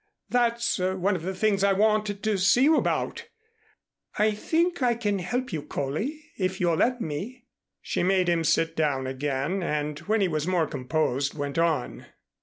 That's one of the things I wanted to see you about. I think I can help you, Coley, if you'll let me." She made him sit down again and when he was more composed, went on.